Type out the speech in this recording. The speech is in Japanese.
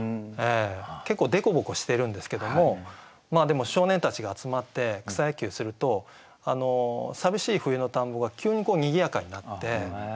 結構凸凹してるんですけどもでも少年たちが集まって草野球すると寂しい冬の田んぼが急にこうにぎやかになって。